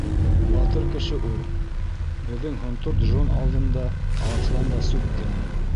Батыр кеше ул. Беҙҙең Һонтор Джон алдында арыҫлан да сүп кенә.